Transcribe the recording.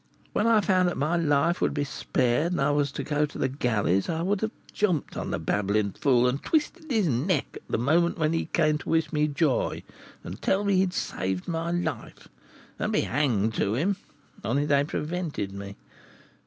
When I found that my life would be spared, and I was to go to the galleys, I would have jumped upon the babbling fool, and twisted his neck, at the moment when he came to wish me joy, and to tell me he had saved my life, and be hanged to him! only they prevented me."